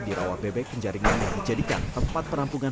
di rawa bebek penjaringan yang dijadikan tempat penampungan